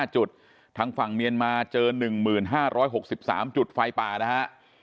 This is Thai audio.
๕จุดทางฝั่งเมียนมาเจอ๑๕๖๓จุดไฟป่านะฮะ